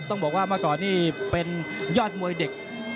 ต้องบอกว่าเมื่อก่อนนี่เป็นยอดมวยเด็ก